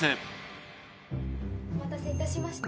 お待たせいたしました。